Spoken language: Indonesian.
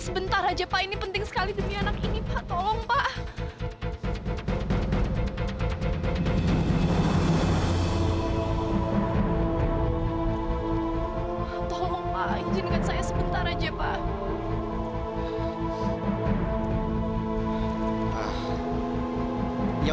sampai jumpa di video selanjutnya